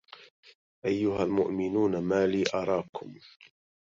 أيها المؤمنون مالي أراكم